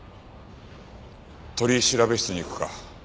取調室に行くか？